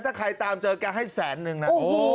ถ้าใครตามเจอแกให้แสนนึงนะ